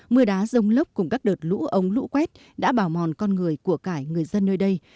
mưa đá rông lốc cùng các đợt lũ ống lũ quét đã bảo mòn con người của cả người dân nơi đây